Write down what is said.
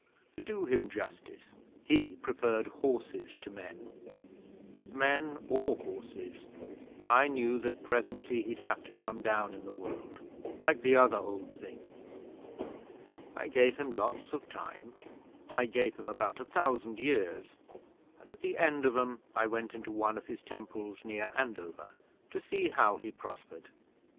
To do him justice, he preferred horses to men; but men or horses, I knew that presently he'd have to come down in the world like the other Old Things. I gave him lots of time I gave him about a thousand years and at the end of 'em I went into one of his temples near Andover to see how he prospered.